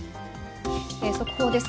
速報です。